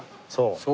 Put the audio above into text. そう。